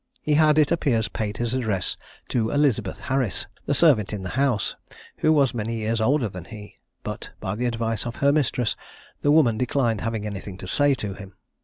He had, it appears, paid his addresses to Elizabeth Harris, the servant in the house, who was many years older than he; but, by the advice of her mistress, the woman declined having anything to say to him.